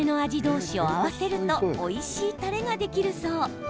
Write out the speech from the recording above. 同士を合わせるとおいしいたれができるそう。